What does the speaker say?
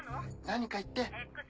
何か言って。